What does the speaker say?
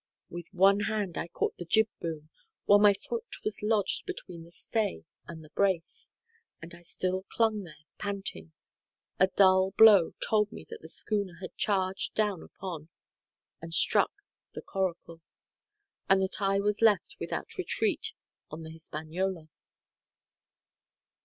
With one hand I caught the jib boom, while my foot was lodged between the stay and the brace; and as I still clung there panting, a dull blow told me that the schooner had charged down upon and struck the coracle, and that I was left without retreat on the Hispaniola.